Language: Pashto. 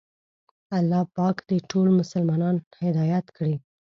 الله پاک دې ټول مسلمانان هدایت کړي.